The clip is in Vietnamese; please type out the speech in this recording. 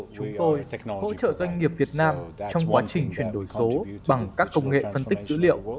chúng tôi hỗ trợ doanh nghiệp việt nam trong quá trình chuyển đổi số bằng các công nghệ phân tích dữ liệu